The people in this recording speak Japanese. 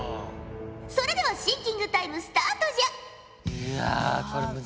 それではシンキングタイムスタートじゃ！